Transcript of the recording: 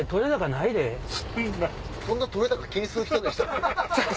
そんな撮れ高気にする人でしたっけ？